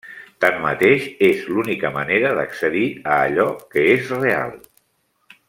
Tanmateix, és l'única manera d'accedir a allò que és real.